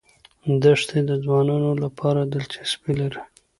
دښتې د ځوانانو لپاره دلچسپي لري.